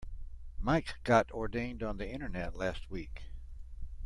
Mike got ordained on the internet last week.